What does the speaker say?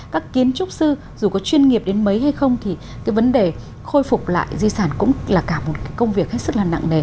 các kiến trúc sư dù có chuyên nghiệp đến mấy hay không thì cái vấn đề khôi phục lại di sản cũng là cả một công việc hết sức là nặng nề